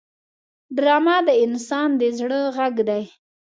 ډرامه د انسان د زړه غږ دی